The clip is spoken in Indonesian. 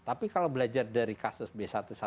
tapi kalau belajar dari kasus b satu ratus dua belas